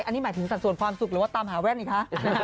อันนี้หมายถึงสัดส่วนความสุขหรือว่าตามหาแว่นอีกคะ